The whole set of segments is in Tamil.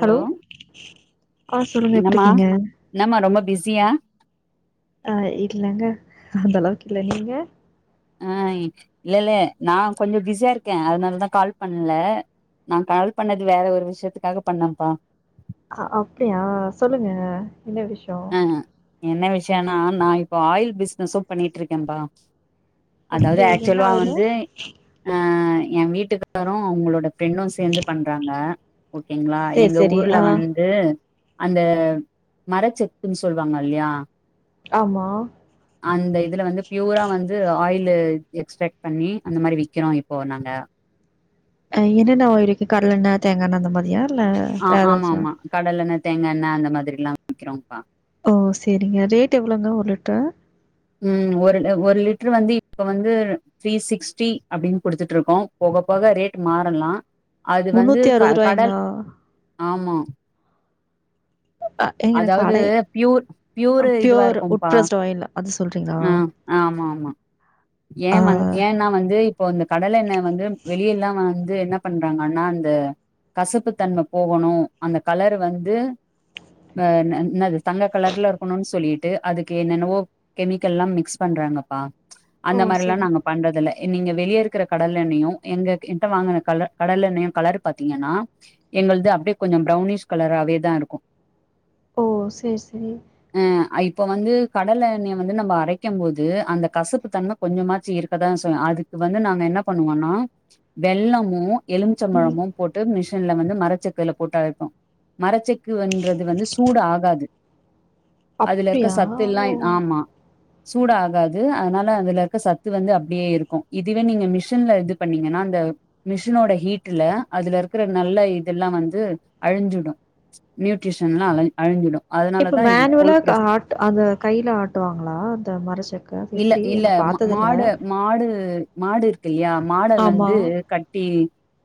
ஹலோ ஆ சொல்லுங்க என்னம்மா எப்டிருக்கீங்க என்னம்மா ரொம்ப பிஸியா ஆ இல்லங்க அந்த அளவுக்கு இல்ல நீங்க ஆ இல்ல இல்ல நா கொஞ்ச பிஸியா இருக்கே அதுனால தா கால் பண்ல நா கால் பண்ணது வேற ஒரு விஷயத்துக்காக பண்ணம்பா ஆ அப்டியா சொல்லுங்க என்ன விஷ்யோ ஆ என்ன விஷயோனா நா இப்போ ஆயில் பிஸ்னஸும் பண்ணிகிட்ருக்கே பா அதாவது அப்டியா என்ன ஆக்சுல்வா ஆயிலு? வந்து ஆ ஆ என் வீட்டுக்காரு அவங்களோட ஃப்ரெண்டு சேந்து பண்றாங்க ஓகேங்ளா சேரி எங்க சேரி ஊர்ல ஆ வந்து அந்த மரச்செக் குன் சொல்வாங்கல்லையா ஆமா. அந்த இதுல வந்து ப்யூரா வந்து ஆயில் லு எக்ஸ்ரேக்ட் பண்ணி அந்த மாரி விக்கிறோ இப்போ நாங்க அ என்னென்ன ஆயில்ருக்கு கடலெண்ண தேங்காயெண்ண அந்த மாரியா இல்ல அ வேற ஆமா ஏதாச்சா? ஆமா கடலெண்ண தேங்காயெண்ண அந்த மாதிரிலா விக்கிறோம்ப்பா ஓ சேரிங்க ரேட் எவ்ளோங்க ஒரு லிட்ரு ம் ஒரு லி ஒரு லிட்டரு வந்து இப்ப வந்து த்ரீ சிக்ஸ்டி அப்டின் குடுத்துட்டிருக்கோ போ போக போக ரேட் மாறலா அது வந்து முன்னூத்தி க அறுவது கடல் ரூவாய்ங்களா? ஆமா அ ஏங்க எனக்கு அதாவது கடை பியூர் அ ப்யூரு இதுவா பியூர் உட் இருக்கும்பா பிரஸ்டு ஆயில் அது சொல்றீங்களா? அ ம் ஆமா ஆமா ஆ ஏன் வந் ஏன்னா வந்து இப்போ இந்த கடலெண்ண வந்து வெளியல்லா வாங் து என்ன பண்றாங்கன்னா அந்த கசப்பு தன்ம போகணு அந்த கலரு வந்து ந நன் நாது தங்க கலர்ல இருக்கணுன் சொல்லிட்டு அதுக்கு என்னென்னவோ கெமிக்கல்லாம் மிக்ஸ் பண்றாங்கப்பா ஓ அந்த மாரில்லா சேரி நாங்க பண்றதில்ல நீங்க வெளிய இருக்குற கடல் எண்ணையு எங்க என் கிட்ட வாங்கன கல்ல கடலெண்ணையு கலர் பாத்தீங்கன்னா எங்கள்து அப்டியே கொஞ்சோ ப்ரௌனிஷ் கலராவேதா இருக்கு ஓ சேரி சேரி இப்போ வந்து கடலெண்ணைய வந்து நம்ப அரைக்கம்போது அந்த கசுப்பு தன்ம கொஞ்சமாச்சக இருக்கதா செய் அதுக் வந்து நாங்க என்ன பண்ணுவோனா வெள்ளமு ம் எலுமிச்சபழமும் போட்டு மிஷின்ல வந்து மரச்செக்குல போட்டு அரைப்போ மரச்செக்குன்றது வந்து சூடு ஆகாது அதுலருக்க அப்டியா சத்தெல்லா ஓ ஆமா சூடு ஆகாது அதனால அதுல இருக்க சத்து வந்து அப்டியேருக்கு இதுவே நீங்க மிஷின்ல இது பண்ணீங்கனா அந்த மிஷினோட ஹீட்டுல அதுலருக்கற நல்ல இதெல்லா வந்து அழிஞ்சிடு நியூட்ரிஷன்லா அல அழிஞ்சிடு இப்ப அதனாலதா இது மேன்வலா கோல் பிரஸ் காட் அத கைல ஆட்டுவாங்ளா அந்த மரச்செக்க எப்டி நா பா ம மாட மாடு மாடு இருக்குல்லியா மாட ஆமா. வந்து கட்டி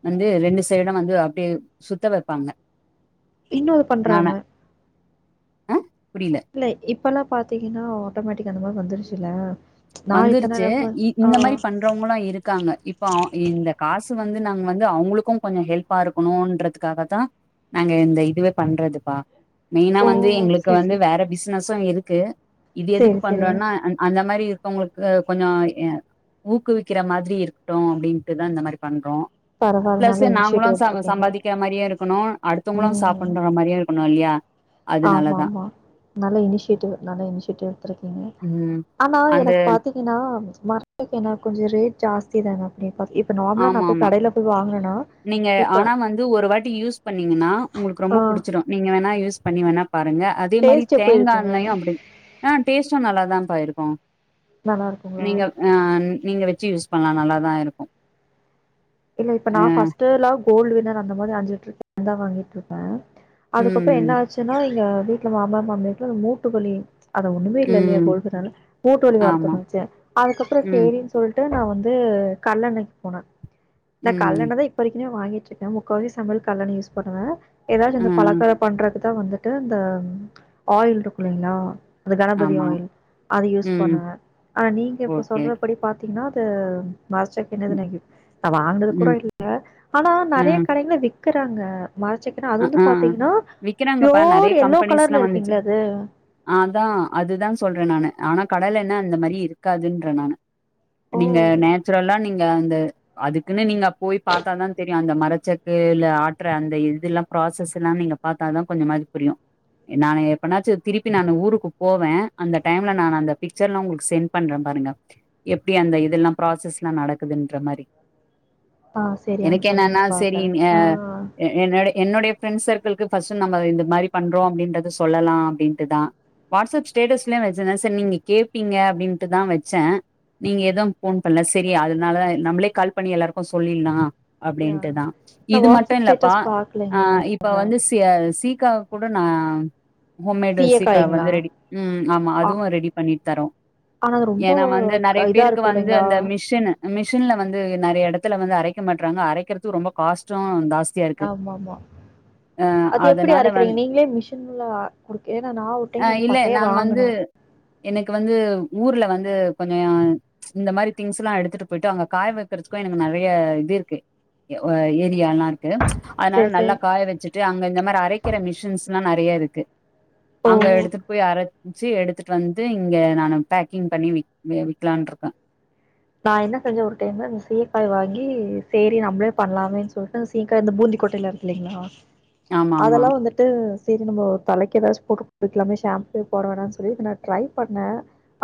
வந்து ரெண்டு சைடோ வந்து அப்டியே சுத்த வெப்பாங்க இன்னு இது பண்றாங்க அ இல்ல இப்பல்லா பாத்தீங்கனா ஆட்டோமேட்டிக் அந்த மாரி வந்துருச்சில்ல வந்துருச்சி இ இந்த மாரி பண்றவங்ளு இருக்காங்க இப்ப அவு இந்த காசு சு வந்து நாங் வந்து அவுங்களுக்கு கொஞ்சோ ஹெல்ப்பா இருக்கணுன்றதுக்காகதா நாங்க இந்த இதுவே பண்றதுப்பா மெயினா ஓ! வந்து எங்ளுக்கு சரி, வந்து சரி. வேற பிஸ்னசும் இருக்கு இது எதுக்கு சரி, சரி. பண்றோன்னா அன் அந்த மாரி இரு க்கவங்ளுக்கு கொஞ்சோ அ ஊக்குவிக்கிற மாரி இருக்கட்டு அப்டின்டுதா இந்த மாரி பண்றோ பரவால்ல பிளஸ் நல்ல நாங்களு இனிஷியேட்டிவ் சம் எடுத்திருக்கீங்க. சம்பாதிக்கிற மாரியு இருக்கணு அடுத்தவங்ளு சாப்புன்ற மாரியு இருக்கணு இல்லையா ஆமா அதனாலதா ஆமா நல்ல இனிஷியேட்டிவ் நல்ல இனிஷியேட்டிவ் எடுத்திருக்கீங்க ம் ஆனா ஆனா அந்த எனக் பாத்தீங்கனா மரசெக் எண்ண கொஞ்சோ ரேட் ஜாஸ்தி தானே அப்டி பாத் இப்ப நார்மலா நா ஆமா போய் ஆமா கடைல போய் வாங்க நீங்க ஆனா வந்து ஒரு வாட்டி யூஸ் பண்ணீங்கன்னா உங்ளுக்கு ரொம்ப ஆ. புடிச்சிடு நீங்க வேணா யூஸ் பண்ணி வேணா பாருங்க அதே மாரி டேஸ்ட் எப்டி தேங்கா இருக்குங்க எண்ணையு அப்டி ஆ டேஸ்ட்டு நல்லாதாப்பா இருக்கு நல்லா இருக்குங்களா நீங்க அ நீங்க வெச்சி யூஸ் பண்லா நல்லாதா இருக்கு இல்ல இப்ப ஆ நா ஃபர்ஸ்டுலா கோல்டு் வின்னர் அந்த மாரி அஞ்சி லிட்ரு ந்தா வாங்கிட்ருப்பே அதுக்கப்றோ என்ன ம் ஆச்சின்னா இங்க வீட்ல மாமா மாமியாருக்லா மூட்டுவலி அத ஒண்ணுமே இல்ல இல்லியா ம் கோல்டு வின்னர்ல மூட்டு வலி ஆமா வர்துனுச்சி அதுக்கப்புறோ ம் சேரின் சொல் ட்டு நா வந்து கல்லெண்ணைக் போனே இந்த ம் கல்லெண்ணதா இப்பவரைக்குமே வாங்கிட்டுருக்கே முக்கால் வாசி சமையல் கல்லெண்ண யூஸ் பண்ணுவே ஏதாச்சி ஆ இந்த பலக்கரோ பண்ற இதா வந்துட்டு இந்த ஆயில்ருக்குல்லைங்ளா அந்த கணபதி ஆமா ஆயில் அத யூஸ் ம் பண்ணுவே ஆனா நீங்க இப்போ ஓகே சொல்றபடி பார்த்தீங்னா அது மர்செக் என்னது ம் நேக்யு நா வாங்னது கூட ம் இல்ல ஆனா ஆ நறய கடைங்ள வி்க்கறாங்க மரச்செக்குனா அது அ வந்து ஆ பாத்தீங்ன்னா விக்கிறாங்கப்பா ப்யோர் நெறைய எல்லோ கலர்ல இருக்கிங்ளே அது தா அதுதா சொல்றே நானு ஆனா கடலெண்ண அந்த மரி இருக்காதுன்ற நானு ஓ நீங்க நேச்சுரல்லா நீங் ல அந்த அதுக்குன்னு நீங்க போய் பாத்தாதா தெரியு அந்த மரச்செக்கு இல்ல ஆற்ற அந்த இதுலா ப்ராசஸுலா நீங்க பாத்தாதா கொஞ்சமாது புரியு எ நானு பண்ணாச்சு திருப்பி நானு ஊருக்கு போவே அந்த டைம்ல நான் அந்த பிக்சர்லா உங்ளுக்கு சென் பண்றப பருங்க எப்டி அந்த இதெல்லா ப்ராசஸ்ல்லா நடக்குதுன்ற மாரி ஆ சரி எனக்கு அனுப்புங்க என்னான்னா நான் பாக்குறேன் செரின் எ ஆ எ என்னோடி ப்டே ஃப்ரெண்ஸ் சர்க்குள்க்கு ஃபஸ்ட்டு நம்ம இந்த மாரி பண்றோ அப்டின்றத சொல்லலா அப்டின்ட்டுதா வாட்ஸ்அப் ஸ்டேட்டஸ்யு வச்சிந்த சேர் நீங்க கேப்பீங்க அப்டின்ட்டுதா வெச்ச நீங்க எது போன் பண்ல செரி அதுனாலதா நம்ப்ளே கால் பண்ணி எல்லாருக்கு சொல்லில்லா இல்ல அப்டின்ட்டுதா நான் இது மட்டு வாட்ஸ்அப் இல்லப்பா ஸ்டேட்டஸ் அ பாக்கலைங்க இப்ப அதனால வந்து சிய சீக்கா கூட நா ஹோம்மேடு சீக்க வந்து சீயக்காய்ங்களா ரெடி ம் ஆமா ஆ அதுவு ரெடி பண்ணிட் தரோ ஆனா அது ரொம்ப ஏனா வந்து நறய க இதா பேருக்கு இருக்கும் வந்து இல்லைங்களா? அந்த மிஷனு மிஷின்ல வந்து நறய எடத்துல வந்து அரக்க மாட்றாங்க அரக்கற்து ரொம்ப காஸ்டு தாஸ்திய ஆம்மாமா அது எப்புடி அதனால வந் அரக்கிறீங்க நீங்ளே மிஷின்ள்ளா குடுக்கு ஏன்னா நா ஒர் அ டைம் வந்து இல்ல பட்டய நான் வந்து வாங்குன எனக்கு வந்து ஊர்ல வந்து கொஞ்சயோ இந்த மாரி திங்ஸ்ல்லா எடுத்துட்டு பொய்ட்டு அங்க காய வெக்கற்துக்கு எனக்கு நறய இருக்கு எ ஒ ஏரியால்லா இருக்கு அதுனால சரி, நல்லா சரி. காய வெச்சுட்டு அங்க இந்த மார் அரக்கற மிஷன்ஸ்லா நறைய இருக்கு ஓ! அங்க எடுத்துட் போய் அர சி எடுத்துட் வந்து இங்க நானு பேக்கிங் பண்ணி விக் வெ விக்லான்ட்ருக்க நா என்ன செஞ்ச ஒரு டைமு சீயக்காய் வாங்கி சேரி நம்ப்ளே பண்லாமே சொல்ட்டு அந்த சீயக்கா இந்த பூந்தி இ கொட்டைய்லா இருக் இல்லீங்ளா ஆமா ஆமா அதல்லா வந்துட்டு தேரி நம்போ தலக்கி ஏதாச் போட்டுக் குளிக்லாமே ஷேம்பே போட வேணான் சொல்லி இது நா ட்ரை பண்ண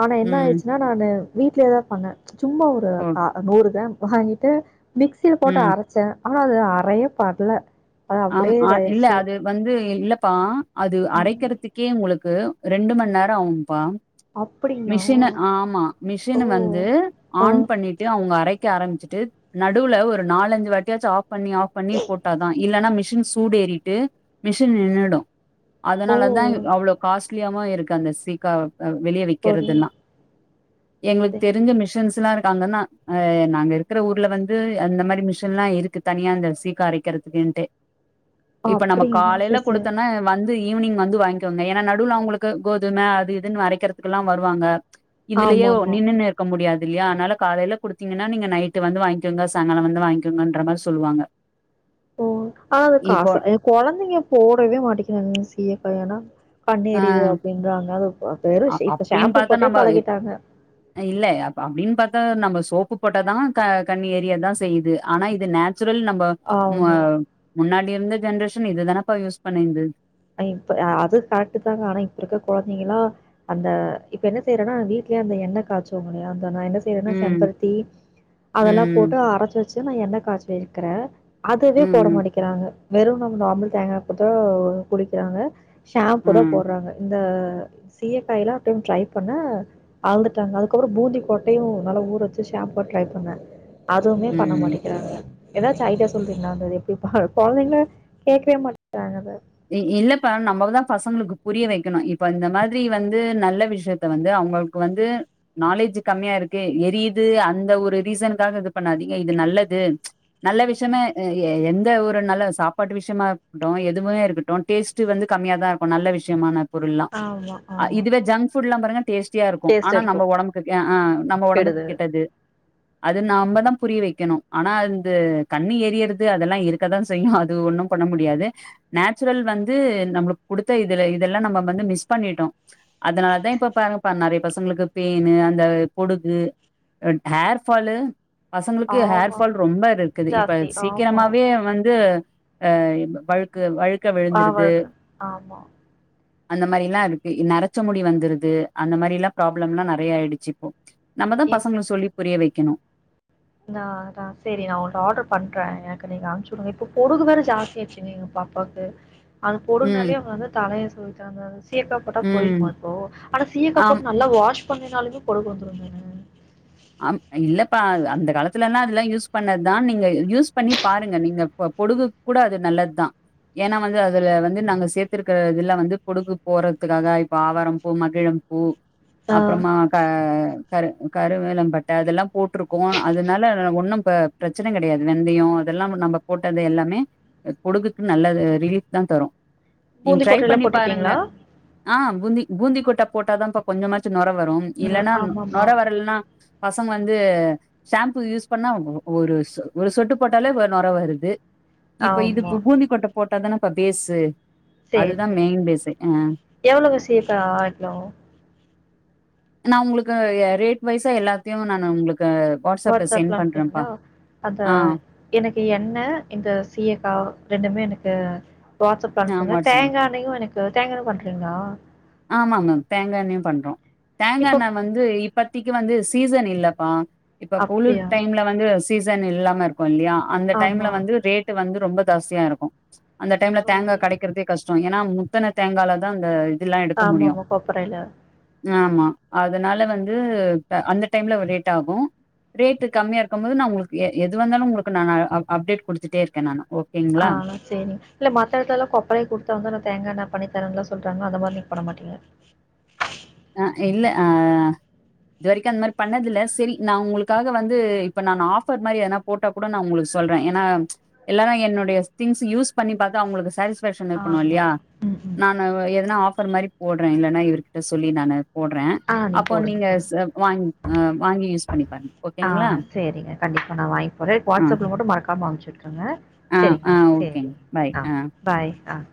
ஆனா என்ன ம் ஆயிர்ச்சுனா நானு வீட்லேதா பண்ண சும்மா ஒரு ஓ கா நூறு க்ரேம் வாங்கிட்டு மிக்சில போட்டு ம் அரச்ச அஹாது அறயபட்ல ஆம் அ இல்ல அது வந்து இல்லப்பா அது ம் அரக்கற்துக்கே உங்களுக் கு ரெண்டு மண் நேர ஆவும்பா அப்டிங்களா மிஷின ஆமா ஓ மிஷினு வந்து ஆ ஆன் பண்ணிட்டு அவுங்க அரை க்க ஆரமிச்சுட்டு நடுவ்ல ஒரு நாலஞ்சு வாட்யாச்சு ஆஃப் பண்ணி ஆஃப் பண்ணி போட்டாதா இ ல்லனா மிஷின் சூட் ஏறிட்டு மிஷின் நின்னுடு ஓ அதனால தாயு அவ்ளோ காஸ்ட் க்ளியாமா இருக்கு அந்த சீக்கா வெளிய சரி விக்கறதெல்லா எங்ளுக் சரி தெரிஞ்ச மிஷன்ஸ் துலா இருக்காங்கன்னா அ நாங்க இருக்குற ஊர்ல வந்து அந்த மாரி மிஷன்லா இருக்கு தனியா அந்த சீக்கா அரக்கிறத் சுகேன்ட்டே இப்ப நம்ம அப்டிங்களா காலைல சரி சரி குடுத்தன்ன வன் து ஈவுனிங் வந்து வாய்ங்க்கவந்த ஏன்னா நடுவுல அவுங்குளுக்கு கோதும அது இதுன் வரக்கற்துக்குல்லா வருவாங்க ஆமா இதுலியேவு ஆமா நின்னுனு இருக்க முடியாத் துல்யா அன்னால காலைல குடுத்தீங்கன்னா நீங்க நைட்டு வந்து வாய்ங்கோங்க சாங்கால வந்து வாங்க்கோங்கன்ற மார் சொல்லுவாங்க ஒ அதா அனா அது இப்போ காச எ கொலந்தைங்க போடவே மாட்டக்கிறாங்க சீயக்கா ஏனா கண்ணு எறிது அப்டின்றாங்க அதுவ் அப் அப்டின் பாத்தா நம்ப இல்ல அப் அப்டின் பாத் நம்ப சோப்பு போட்டாதா க கண்ணு எறியதா செய்யுது அனா இது நே சுரல் நம்ப மு அ ஆமா முன்னாடி இருந்த ஜென்ரேஷன் இததானப்பா யூஸ் பண்ணிந்து அ இப்ப அது கரெக்ட்டு தாங்க அனா இப்ப இருக்க கொழந்திங்குளா அந்த இப்ப என்ன செய்றனா வீட்ல் ஏ அந்த எண்ண காச்சுவோமுலயா சொ நா என்ன செய்யறேன்னா ம் செம்பருத்தி அதெல்லா ம் போட்டு அரைச்சு வச்சு நா எண்ணெ காய்சிக்கிறே அதுவே போட ம் மாட்டக்கிறாங்க வெறு நம்ம நார்மல் தேங்காய் போட்டுத்தா குளிக்கிறாங்க ஷாம்பு தா ம் போடுறாங்க இந்த சீயக்காய எல்லா அப்டிய ட்ரை பண்ண அழுந்துட்டாங்க அதுக்கப்புறோ பூந்திக்கோட்டையு நல்ல ஊற வெச்சு ஷம்போவா ட்ரை பண்ண அதுவுமே ம் பண்ண ம் மாட்டக்கிறாங்க ஏதாச்சு ஐடியா சொல்றீங்களா வந்து அது எப்டி ப்ப கொழந்தைங்க கேட்கவே மாட்டேறாங்க அத இ இல்லப்ப நம்மதா பசங்களுக்கு புரிய வெக்கணு இப்ப இந்த மாரி வந்து நல்ல விஷயத்த வந்து அவங்க வந்து நாலேஜ் கம்மியா இருக்கு எரியுது அந்த ஒரு ரீசனுக்காக இது பண்ணாதீங்க இது நல்லத் து நல்ல விஷயமே எ எ எந்த ஒரு நல்ல சாப்பாட்டு விஷயமா இருக்கட்டு எதுவுமே டேஸ்ட் வந்து கம்மியா தா இருக்கு நல்ல விஷயமான பொருளெல்லா ஆமா, ஆமா. இதுவே ஜங்க் புட்லா பாருங்க டேஸ்ட் சியா இருக்கு ஆனா டேஸ்ட் நம்ம இருக்கும் ஒடம்புக்கு ஆ அ நம்ம ஒடம்புக்கு கெடுதல். கெட்டது அது நாமதா புரிய வைக்கணு ஆனா அந்த கண்ணு ஏறியறது அதெல்லா இருக்கதா செய்யு அது ஒண்ணு பண்ண ண முடியாது நேச்சுரல் வந்து நம்மளுக்கு குடுத்த இதுல இதெல்லா நம்ம வந்து மிஸ் பண்ணிட்டோ அதனாலதா இப்ப பா க்க நெறைய பசங்களுக்கு பெனு அந்த பொடுகு ஹேர்பாலு பசங்களுக்கு ஆமா. ஹேர்பால் ரொம்ப இருக்குது இப்ப ஜாஸ்தி. ஆமா. சீக்கிரமாவே வந்து அ வழுக்க வழுக் பவழுக்கு ஆமா அந்த மாரி எல்லா இருக்கு நரச்ச முடி வந்துருது அந்த மாரி எல்லா ப்ராப்ளம் எல்லா நெறைய ஆயிடுச்சு இப்போ நம்ம தா பசங்களு சொல்லி புரிய வெக்கணு அந்தா அதா செரி நான் ஒன்னு ஆர்டர் பண்றே எனக்கு நீங்க அனுச்சு விடுங்க இப்ப பொடுகு வேற ஜாஸ்தியடுச்சுங்க நிங்க பா ப்பாக்கு அது ம் பொடுகுனாலே அவங்க வந்து தலைய சொருஞ்சாங்க சீயக்கா போட்டா ம் போயிருமா இப்போ அட சீயக்கா ஆம் போட்டு நல்லா வாஷ் பண்ணினாலுமே பொடுகு வந்துருந்தன்ன அம் இல்லப்பா அந்த காலத்துல எல்லா அதெல்லா யூஸ் பண்ணதுதா நீங்க யூஸ் பண்ணிப் பாருங்க நீங்க பொடுகுக் கூட அது நல்லது தா ஏன்னா வந்து அதுல வந்து நாங்க சேத்திருக்கற இதுலா வந்து பொடுக்கு போறதுக்காக இப்ப ஆவாரம்ம்பூ மகிழம் பூ ஆ அப்றமா க கரு கரு வேலம்பட்ட அதெல்லா போட்டிருக்கோ அதனால ஒன்னு பி பிரச்சனை கெடையாது வெந்தயோ அதெல்லா நம்ம போட் டது எல்லாமே பொடுகுக்கு நல்ல ரிலீப்தா தரு நீங் பூந்தி ட்ரை கொட்டைலாம் பண்ணி பாருங்க போட்டிருக்கீங்களா? ஆம் பூந்தி பூந்திக் கொட்ட போட்டாதாப்ப கொஞ்சமாச்சு நொர வரு ஒரு இல்லன்னா ஆமாமா. நொரை வரலன்னா பசங்க வந்து ஷாம்பு யூஸ் பண்ணா ஒரு ஒரு சொட்டு போட்டாலே நொர வருது இப்ப இது ஆமா. இப்ப பூந்திக்கொட்டை போட்டாதானே இப்ப பேசு செரி செரி எவ்ளோ சீகக்கா ஆட்டணு நா உங்களுக்கு ரேட் வைஸா எல்லாத்தையு நானு உங்களுக்கு வாட்ஸ்அப்ல சென்ட் வாட்ஸ்அப்லா அனுப்பறீங்களா பண்றேன்ப்பா அத ஆ எனக்கு எண்ண இந்த சீயக்கா ரெண்டுமே எனக் அ வாட்ஸ்அப்ல ஆ அனுப்புங்க வாட்ஸ்அப்ல தேங்கா எண்ணெயையு எனக்கு தேங்கா எண்ணையு பண்றீங்கால ஆமாங்க தேங்கண்ணையு பண்றோ இப்போ தேங்கண்ண வந்து இப் இபத்திக்கு வந்து சீசன் இல்லப்பா இப்ப குளிர் அப்படியா? டைம்ல வந்து சீசன் இல்லாம இருப்ப கு இல்லையா அந்த டைம்ல ஆமா. வந்து ரேட்டு வந்து ரொம்ப ஜாஸ்தியா இருக்கு அந்த டைம்ல ஓ! தேங்காய் கெடைக்கறதே கஷ் ஏன்னா முத்தன தேங்கால தா அந்த இதுல ஆமா ஆமா கொப்பறைல ஆமா அதனால வந்து அந்த டைம்ல ஒரு லேட் ஆகு ரேட்டு் கம்மியா இருக்கு போது நா உங்களுக்கு எ எது வந்தாலு உங்களுக்கு நா அப்டேட் குடுத்துட்டே இருக்கே நானு ஓகேங்களா ஆ செரிங்க இல்ல மத்த எடத்தத்தால கொப்பைறையு குடுத்தா வந்து நா தேங்காயெண்ண பண்ணி வேணானெல்ல சொல்றாங்கன்னா அந்த மாரி நீங்க பண்ண மாட்டீங்க அ இல்ல அ இது வரைக்கு அந்த மாதிரி பண்ணதில்ல சரி நான் உங்களுக்காக வந்து இப்ப நான் ஆபர் மாதிரி ஏதனா போட்டா கூட நான் உங்களுக்கு சொல்றே ஏன்னா எல்லாரு என்னுடைய திங்ஸ் யூஸ் பண்ணி பாத்து அவங்களுக்கு சேரிஸ் இன்பெர்க்ஷன் இருக்குனு ஆமாமா. இல்லயா ம், ம். நானு எதனா ஆஃபர் மாறி போட்றே இல்லன்னா இவர் கிட்ட சொல்லி நானு போட்றே ஆ அப்போ போடுங்க, நீங்க போடுங்க. ச வாங் வாங்கி யூஸ் பண்ணி பாருங்க ஓகேங்களா இப்ப நா வாங்கிட்போறே ஆ வாட்ஸ் அப்ல மட்டு மறக்காம அம்ச்சு விட்ருங்க ஆ ஆ செரிங்ளா ஓகேங்க செரிங்க பாய் ஆ பாய் பாய் அ